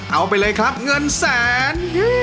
เอาไปเลยครับเงินแสน